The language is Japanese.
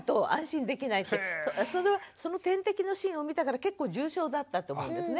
その点滴のシーンを見たから結構重症だったと思うんですね。